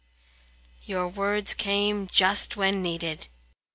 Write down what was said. Your words came just when needed.